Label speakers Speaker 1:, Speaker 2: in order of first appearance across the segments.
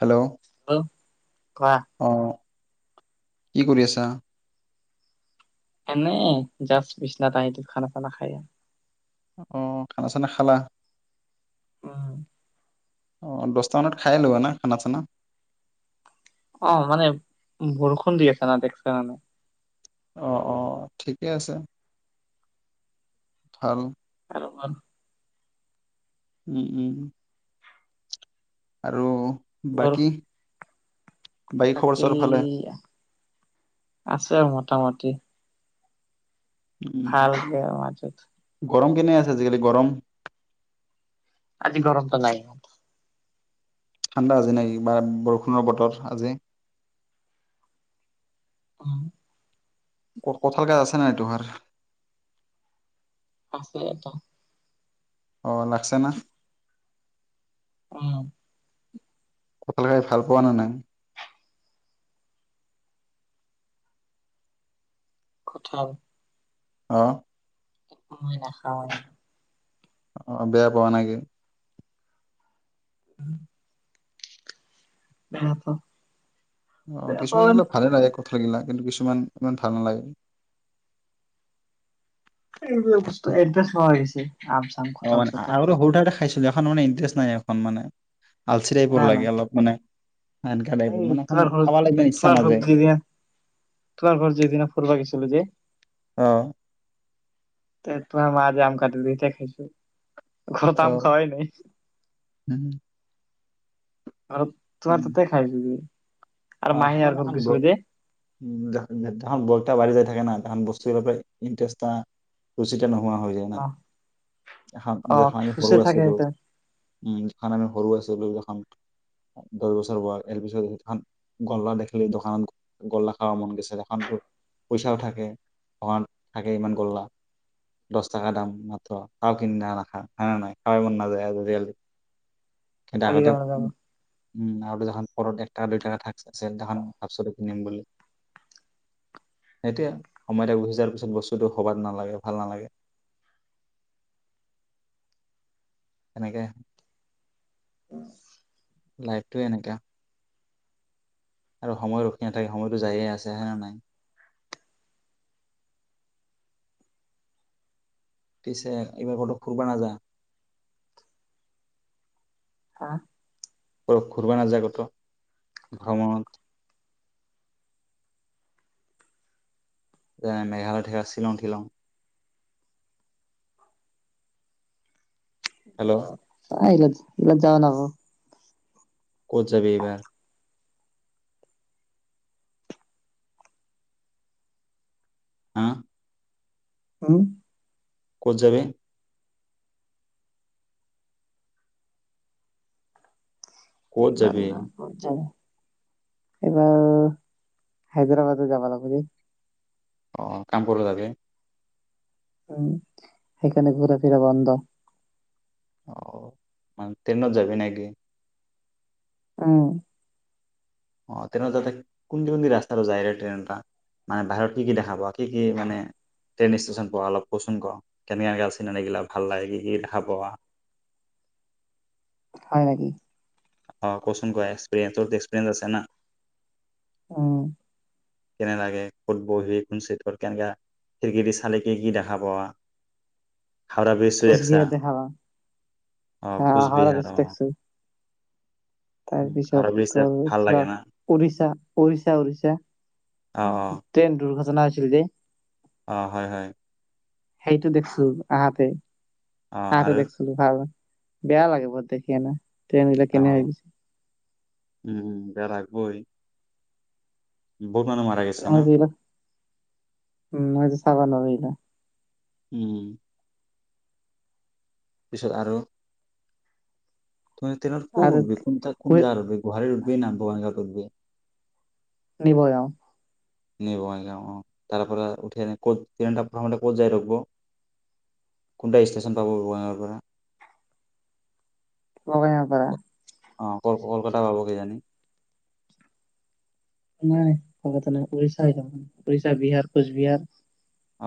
Speaker 1: Hello
Speaker 2: হেল কোৱা।
Speaker 1: অ কি কৰি আছা?
Speaker 2: এনে জাচ বিছনা ত আহটো খানা-চানা খাই
Speaker 1: অ', খানা-চানা খালা?
Speaker 2: উম।
Speaker 1: অ', দহটা মানত খাই ল' না খানা-চানা?
Speaker 2: অ, মানে বৰষুণ দি আছে না দেখছোনে?
Speaker 1: অ, অ, ঠিকে আছে, ভাল।
Speaker 2: [unintelligible]
Speaker 1: উম, উম। আৰু?
Speaker 2: বৰ
Speaker 1: বাকী? খবৰ
Speaker 2: বাকী
Speaker 1: চবৰ ভালে
Speaker 2: আছে আৰু, মোটামটি।
Speaker 1: উম
Speaker 2: ভাল বেয়াৰ মাজত।
Speaker 1: গৰম কেনে আছে আজিকালি গৰম?
Speaker 2: আজি গৰমটো নাই।
Speaker 1: ঠাণ্ডা আজি নই বা বৰষুণৰ বতৰত আজি।
Speaker 2: অ।
Speaker 1: কঠাল গছ আছে নাই তোমাৰ?
Speaker 2: আছে এটা।
Speaker 1: অ লাগছে না?
Speaker 2: অ।
Speaker 1: কথাল খাই ভাল পোৱা নে নাই?
Speaker 2: কঠাল?
Speaker 1: অ।
Speaker 2: মই নাখাও এ।
Speaker 1: অ, বেয়া পোৱা নেকি?
Speaker 2: উম। হ ত
Speaker 1: অ', কিছুমান এইিলা ভালে লাগে কথা লাগিলা কিন্তু কিছুমান ইমান ভাল নালাগে।
Speaker 2: এইবাক বস্তু এডজাষ্ট হ হৈছে।
Speaker 1: অন আৰুৰ ঔট খাইছিলো এখন মানে ইণ্টাৰেষ্ট নাই এখন মানে আলচি
Speaker 2: না
Speaker 1: টাইপৰ
Speaker 2: না
Speaker 1: লাগে অলপ মানে সেনকা টাইপৰ
Speaker 2: এই
Speaker 1: মানে খান
Speaker 2: তোমাৰ ঘৰত
Speaker 1: খাবা লাগব ইচ্ছা
Speaker 2: তোমাৰ
Speaker 1: নাযায়।
Speaker 2: ঘৰত যিদিনা তোমাৰ ঘৰত যিদিনা ফৰবাকী চল যে
Speaker 1: অ',
Speaker 2: তে তো আমাৰজ আম কতি দি দে খাইছো ঘৰত তাম
Speaker 1: অ'।
Speaker 2: খাবাই নাই।
Speaker 1: উম,
Speaker 2: আৰু তোমাৰ
Speaker 1: উম,
Speaker 2: তাতে খাই বোই ই।
Speaker 1: [unintelligible] থাকে না তাহান বস্তু এবৰ পৰাই ইণ্টাৰেষ্ট ৰুচিত ন নোৱা হৈ যায় না
Speaker 2: অ
Speaker 1: এখান
Speaker 2: অ
Speaker 1: দেখন আমি সৰু
Speaker 2: খুচে থাকে
Speaker 1: আছিলো।
Speaker 2: সিহঁতে
Speaker 1: উম যিখন আমি সৰু আছিলো যখন দহ বছৰ হোৱা এল পি চ সেখন গল্লা দেখিলি দোকানত গল্লা খাব মন গৈছে, দখানতো পইচাও থাকে দোকানত থাকে ইমান গল্লা দহ টকা দাম মাত্ৰ তাও কিনি না নাখায় নাই নাই নাই খাবাই মন নাযায় আজিকালি। কিন্তু আগতে
Speaker 2: আজিকালি নাযাব
Speaker 1: উম আৰুখন পৰত একটা দুই টাকা থাক আছে দেখান ভাবছিলো কনিম বুলি সেইটোৱে [unintelligible] পিছত বস্তুটো সবাত নালাগে ভাল নালাগে। তেনেকে
Speaker 2: [inaudible]
Speaker 1: লাইফটোৱে এনেকা। আৰু সময় ৰখি নাথাকে, সময়টো যায়ে আছে হৈনে নাই। পিছে এইবাৰ ক'তো ফুৰবা নাযা?
Speaker 2: হা।
Speaker 1: ক ফুৰবা নাযা ক'তো, ভ্ৰমণত? যে মেঘালয় থকা চিলিং তিলং। হেল্ল'।
Speaker 2: অ', ইলাদ ইলত যাৱ নক।
Speaker 1: ক'ত যাবি এইবাৰ? হা।
Speaker 2: হম।
Speaker 1: ক'ত যাবি? ক'ত
Speaker 2: এইবাৰ
Speaker 1: যাবি
Speaker 2: এইবাৰ ক'ত যাম? এইবাৰ হাইদ্ৰাবাদত যাব লাগিব দেই।
Speaker 1: অ কাম কৰো তাগে
Speaker 2: উম সেইকাৰণে ঘূৰা ফুৰা বন্ধ।
Speaker 1: অ মান ট্ৰেইনত যাবি নেকি?
Speaker 2: উ।
Speaker 1: অ ট্ৰেইনত যাতে কোনদি কোনদি ৰাস্তাটো যায় ট্ৰেইন এটা মানে বাহিৰত কি কি দেখা পোৱা কি কি মানে ট্ৰেইন ষ্টেচন পোৱা অলপ কচোন ক [unintelligible] ভাল লাগে কি কি দেখা পোৱা
Speaker 2: হয় নেকি?
Speaker 1: অ কচোন ক এক্সপিৰিয়েঞ্চ তোৰ এক্সপিৰিয়েঞ্চ আছে না।
Speaker 2: উম।
Speaker 1: কেনে লাগে, ক'ত বহি কোনচে কত কেনেকা, খিৰিকি চালে কি কি দেখা পোৱা হাওৰা ব্ৰিজটো দেখছা
Speaker 2: কোচবিহাৰ দেখাবা,
Speaker 1: অ
Speaker 2: অহ অহাৰ
Speaker 1: কোচবিহাৰ অ
Speaker 2: ইন্তেকচন
Speaker 1: উম,
Speaker 2: তাৰপিছত
Speaker 1: হাওৰা ব্ৰিজ
Speaker 2: ত
Speaker 1: চাই ভাল
Speaker 2: কিবা
Speaker 1: লাগে না
Speaker 2: পঢ়িচা? উৰিশা উৰিশা
Speaker 1: অ অ
Speaker 2: ট্ৰেইন দুৰ্ঘ ন আছিল যে।
Speaker 1: অ হয় হয়।
Speaker 2: সেইটো দেখছো আহাতে।
Speaker 1: অ
Speaker 2: হ তো
Speaker 1: আৰু
Speaker 2: দেখছিলো ভাল। বেয়া লাগে বু দেখি আনে।
Speaker 1: অ উম। বহত মানুহ মাৰা গৈছে
Speaker 2: মই
Speaker 1: ন?
Speaker 2: এইবিলাক উম মটো চাবাল হিল
Speaker 1: উম। পিছত আৰু তুমি তেনে ক'ত
Speaker 2: আৰু
Speaker 1: উঠবি কোন ঠাইত উঠিব গুৱাহাটী উঠিবি না বঙাইগাঁও [unintelligible]
Speaker 2: [unintelligible]
Speaker 1: এ বঙাইগাঁও অ তাৰ পৰা উঠিকেনে ক'ত [unintelligible] প্ৰথমতে ক'ত যাই ৰখিব কোনটা ষ্টেশচন পাব বঙাইগাঁৱৰ পৰা
Speaker 2: বঙাইগাঁও পৰা
Speaker 1: ক- অ ক কলকাতা পাব কিজানি
Speaker 2: [unintelligible] উৰিষা বিহাৰ কোচবিহাৰ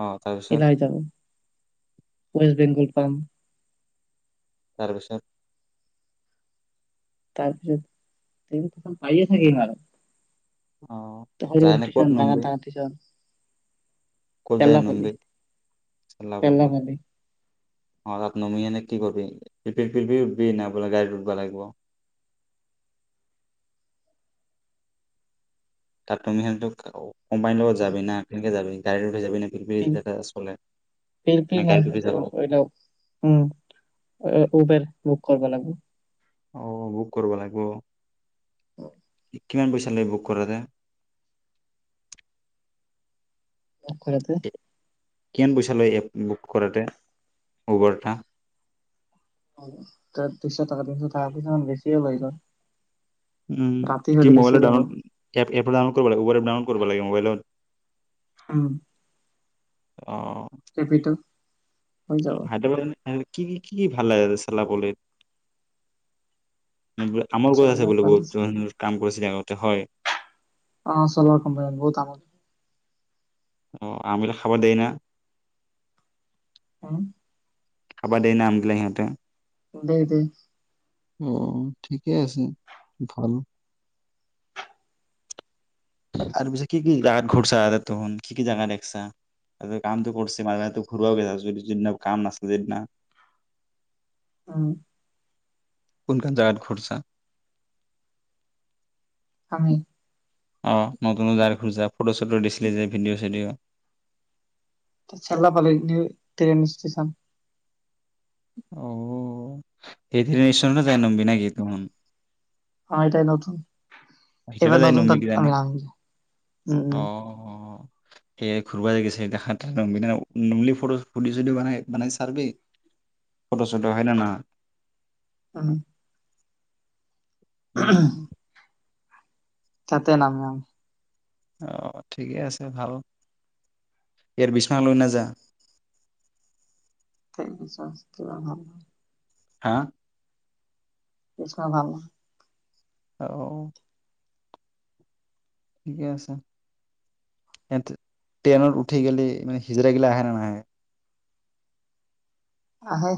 Speaker 1: অ তাৰপিছত
Speaker 2: এলাহ যাব ওৱেষ্ট বেংগল পাম
Speaker 1: তাৰপিছত
Speaker 2: তাৰপিছত প্ৰথম পাইয়ে থাকিম আৰু
Speaker 1: অ যাই এনে ক'ত
Speaker 2: [unintelligible] দাঙা
Speaker 1: নামবি
Speaker 2: দঙা [unintelligible]
Speaker 1: [unintelligible] [unintelligible] গাড়ীত
Speaker 2: চেল্লাপল্লি
Speaker 1: উঠব লাগিব [unintelligible] কম্পানীৰ লগত যি ন কেনেকে যাবি গড়ী [unintelligible] না
Speaker 2: পিলপিল নাই
Speaker 1: গাড়ীত উঠি যাব লাগিব
Speaker 2: [unintelligible] উম উবেৰ বুক কৰবা লাগবো
Speaker 1: অ বুক কৰিব লাগবো কিমান পইচা লাগ বুক কৰাতে
Speaker 2: [unintelligible]
Speaker 1: কিমান পইচা লয় এপ বুক কৰাতে উবৰটা
Speaker 2: দুইশ টাকা তিনিশ টাকা পইচা মান বেছি লয় সিহত
Speaker 1: উম কি মোবাইলৰ ডাউনলোড এপ এপটো ডাউনলোড কৰিব লাগিব উবৰ ডাউনলোড কৰিব লাগিব মোবাইলত।
Speaker 2: হোম
Speaker 1: অ।
Speaker 2: টেপিটো
Speaker 1: হাইদৰাবাদ [unintelligible] কি, কি, কি, কি ভাল লাগে সালাবৰিত। আমৰ গছ
Speaker 2: চলনা
Speaker 1: আছে, বোলে
Speaker 2: পালিছ
Speaker 1: বহুত [unintelligible] কাম কৰি [unintelligible] হয়।
Speaker 2: অ চ'লাৰ কোম্পানী, বহুত ডাঙৰ
Speaker 1: অ, আম গিলা খাব দেই না?
Speaker 2: উম
Speaker 1: খাবা দে, নাম বিলাংৰ মতে
Speaker 2: দেই, দেই।
Speaker 1: উম, ঠিকেই আছে ভাল, আৰু পিছে কি, কি জাগাত ঘূৰছা টোহুন, কি, কি জাগা দেখিছা, কামটো কৰিছে, মাজতে ঘুৰিব গৈছা চোন, জোনদিনা কাম নাছিল যিদিনা।
Speaker 2: উম।
Speaker 1: কোনখন জাগাত ঘূৰচা?
Speaker 2: উম।
Speaker 1: অ' নতুন জেগাত ঘূৰচা, ফটো, চটো দিছিলে যে, ভিডিঅ, চিডিঅ'।
Speaker 2: চালনা পালি নি, ট্ৰেইন ষ্টেশ্যন
Speaker 1: অহ' এভিকেশ্যনত যায় নামবি না কি তোঁহন
Speaker 2: অ' এটাই নতুন। এইবাৰ নতুন তাত আমি আম, উম, উম।
Speaker 1: সেই ঘুৰবা যে গিছে দেখাট, নুমলী, ফটো বডি চদি বনাই বনাই, চাৰবি ফটো চটো হয় না নহয়।
Speaker 2: উম।
Speaker 1: উম।
Speaker 2: তাতে নামিম।
Speaker 1: আহ ঠিকে আছে, ভাল ইয়াৰ বিছাৰলৈ নাযাওঁ?
Speaker 2: এই জাষ্ট কিবা হ'ল।
Speaker 1: হা
Speaker 2: কৃষ্ণ ভাল
Speaker 1: অ'। ঠিকে আছে, ইয়াত ট্ৰেইনত উঠি গেলি, মানে হিজৰা গিলা আহে, নে নাহে?
Speaker 2: আহে।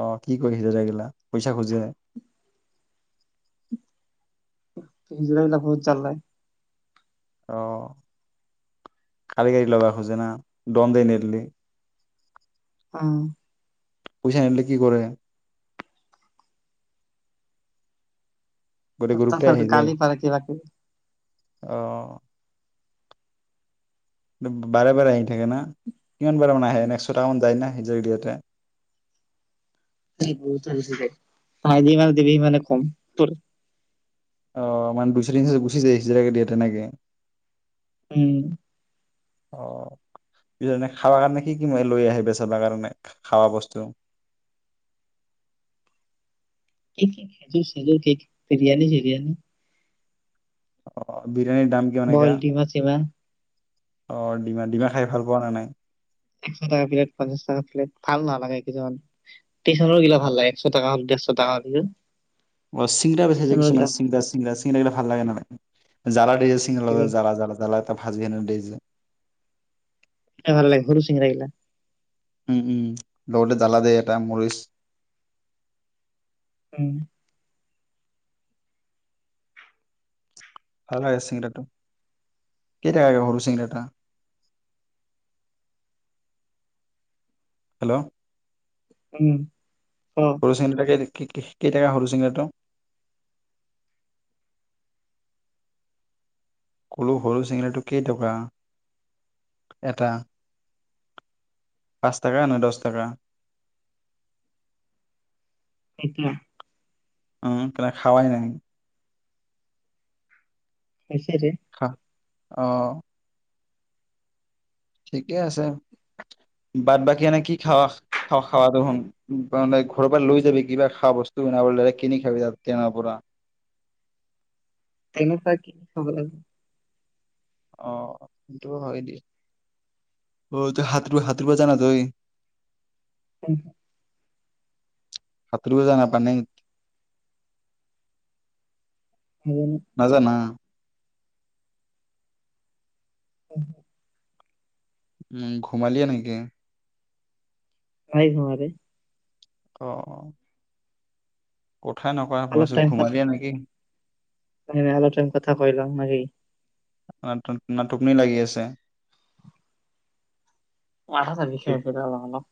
Speaker 1: অ, কি কৈ হিজৰাগিলা পইচা খোজে?
Speaker 2: হিজৰাগিলা বহুত জালায়।
Speaker 1: অ, কাঢ়ি, কাঢ়ি লব খোজে না, ডম দেই নেদলি।
Speaker 2: উম।
Speaker 1: পইচা নেদলী কি কৰে? গোটেই গ্ৰুপটাই
Speaker 2: অতিয়াচৰ,
Speaker 1: আহি যায়
Speaker 2: গালি পাৰে কিবা কিবি।
Speaker 1: অ'। বাৰে বাৰে আহি থাকে না, কিমান বাৰে মানে আহে ন, একশটাকামান যায় না হিকৰক দিয়াতে।
Speaker 2: সেই বহুত যাই, আহিলি মানে দিবি মানে কম তোৰ।
Speaker 1: অ, মানে দুইশ তিনিশ গুচি যায়, হিজিৰাক দিয়েতে নেকি।
Speaker 2: উম।
Speaker 1: অ' খাব কাৰণে কি কি ম লৈ আহে [unintelligible] কাৰণে খা বস্তু।
Speaker 2: [unintelligible] কে বিৰিয়ানি চৰিয়নি
Speaker 1: অ' বি
Speaker 2: বইল ডিমা চিমা।
Speaker 1: অ' ডিমা, ডিমা খাই ভাল পোৱা না নাই?
Speaker 2: একশ টকা প্লেট পঞ্চাশ টকা প্লেট ভাল নালাগে কিছুমান। টিশনৰ গিলা ভাল লাগ একশ টকা তাহাতি
Speaker 1: অ চিংগৰা বিচাইছে কিছুমান চিংগৰা চিংগৰা চিংৰা গিলা ভাল লাগে ন। জালা ড্ৰে চিং লাগ জ
Speaker 2: লাগে
Speaker 1: যৰা জাল জাল ভাজি অনা দেইজ।
Speaker 2: ভাল লাগে সৰু চিংৰা গিলা।
Speaker 1: উম উম লগতে জ্বালা দে এটা মৰিচ
Speaker 2: উম।
Speaker 1: ভাল হয় চিংৰাটো, কেইটকা সৰু চিংৰাটা এটা? হেল্ল'
Speaker 2: উম। ক
Speaker 1: সুৰু চিংৰা বিলাক কি কেইটাকা সৰু চিঙৰাটো? ক'লো সৰু চিঙৰাটো কেইটকা এটা পাঁচ টকা নাই দহ টকা?
Speaker 2: [unintelligible]
Speaker 1: উম ক্লা খাৱাই নাই নেকি?
Speaker 2: নাই খে দে।
Speaker 1: আহ। ঠিকে আছে বাদ বাকী এনে কি খাবা খ খাৱটো শুন মানে ঘৰৰ পৰা লৈ যাবি কিবা খোৱা বস্তু বনাব কিনি খাবি তাত ট্ৰেইনৰ পৰা।
Speaker 2: ট্ৰেইনৰ পৰা কি খাব লাগে?
Speaker 1: অ সেইটো হয় দিয় অ তই সতোৰ সতোৰব জানা তই?
Speaker 2: উম।
Speaker 1: সাঁতৰিব জানা পানেং-
Speaker 2: নাজানো
Speaker 1: নাজানা?
Speaker 2: [inaudible]
Speaker 1: উম ঘুমালিয়ে নেকি?
Speaker 2: নাই ঘুমাৰে।
Speaker 1: অ অ। কথাই নকৰা ভইাবছো ঘোমাল দিয়ে নেকি?
Speaker 2: ম আলচ কথা কৈ লওঁ নেকি!
Speaker 1: নাট নাটকনি লাগি আছে।
Speaker 2: মাথা চা বিষাই আছে অলপ অলপ।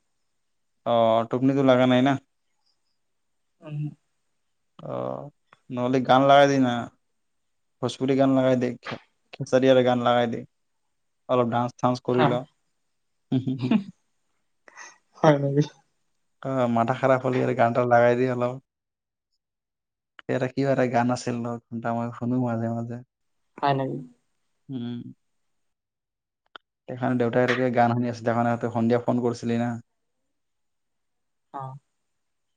Speaker 1: অ টোপনি লগা নাই না?
Speaker 2: উম।
Speaker 1: অ নহ'লে গান লগাই দে না। ভোজপুৰী গান লগাই দে, খে খেচৰীয়া গান লগাই দে, অলপ ডান্স চান্স কৰি
Speaker 2: হা,
Speaker 1: ল
Speaker 2: উহ, হয় নেকি।
Speaker 1: অ', মাথা খাৰাব হ'লি এই গান এটা ওলায় দি ওলাও, ইয়াতে কি এটা গান আছিল ন' [unintelligible] শুনো মাজে, মাজে।
Speaker 2: [unintelligible]
Speaker 1: উম। সেনাখন দেউতাই তাকে গান শুনি আছিলে হয় নাই, তই সন্ধিয়া ফোন কৰিছিলি ন?
Speaker 2: অ'।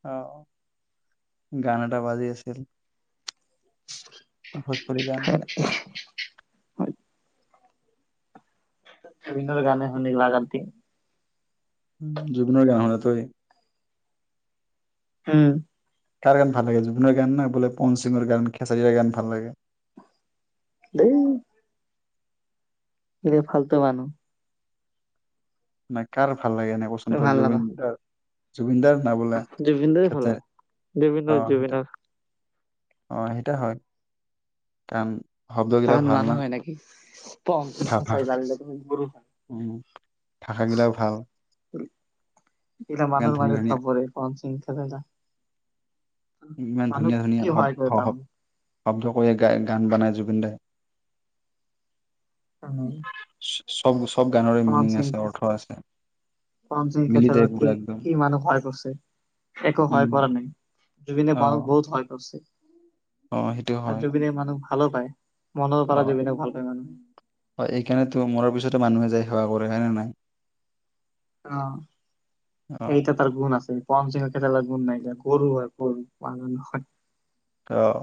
Speaker 1: অ', গান এটা বাজি আছিল। ভোজপুৰী গান।
Speaker 2: ৰবিন্দৰ গানে শুনি [unintelligible]
Speaker 1: জুবিনৰ গান শুনো, আতঁৰি।
Speaker 2: হম।
Speaker 1: কাৰ গান ভাল লাগে, জুবিনৰ গান নে, বোলে পন সিঙৰ গান, খেচৰীয়াৰ গান ভাল লাগে।
Speaker 2: দেই। কি যে ফালতু মানুহ।
Speaker 1: নেকাৰো। ভাল লাগে নাই, কচোন ক'?
Speaker 2: ভাল লগা
Speaker 1: জুবিন দা জুবিন দাৰ না বোলে
Speaker 2: জুবিনদাই ভাল
Speaker 1: খেচাৰি
Speaker 2: আৰু
Speaker 1: অ
Speaker 2: [unintelligible]
Speaker 1: সেইটা
Speaker 2: জুবিনদা।
Speaker 1: অ সেইটো হয় কাণ
Speaker 2: তাত মানুহ হয় নেকি। [inaudible]
Speaker 1: থকা উম থাকাগিলাও ভাল।
Speaker 2: এইকেইটা
Speaker 1: ইমান
Speaker 2: মানুৰ
Speaker 1: ধুনীয়া
Speaker 2: মাজত
Speaker 1: ধুনীয়া
Speaker 2: নপৰে [unintelligible] নেযাঙ যা।
Speaker 1: ইমান
Speaker 2: মানুহ
Speaker 1: ধুনীয়া ধুনীয়া
Speaker 2: কি
Speaker 1: শব
Speaker 2: হয় কৰে
Speaker 1: শ-
Speaker 2: তাৰমানে,
Speaker 1: শব্দ কৰি গাই গান বনায় জুবিন দাই।
Speaker 2: [unintelligible]
Speaker 1: [unintelligible]
Speaker 2: [unintelligible] কি
Speaker 1: মিনিং আছে অৰ্থ আছে মিলি যায় পুৰা একদম
Speaker 2: মানুহ সহায় কৰিছে একো ভয় কৰা
Speaker 1: উম
Speaker 2: নাই‌ জুবিনে
Speaker 1: অ
Speaker 2: মানুহ বহুত সহায় কৰিছে।
Speaker 1: অ সেইটোৱে
Speaker 2: আৰু
Speaker 1: হয়।
Speaker 2: জুবিনে মানুহ ভালো পায়। মনৰ
Speaker 1: অ
Speaker 2: পৰা জুবিনক ভাল পায় মানুহে
Speaker 1: অ এইকাৰণেতো মোৰো পিছতো মানুহে দেশ সেৱা কৰে কাৰণে নাই।
Speaker 2: অ',
Speaker 1: অ
Speaker 2: সেইটো তাৰ গুণ আছে। গুন নাইকিয়া। [unintelligible] হয়, হয়।
Speaker 1: অ',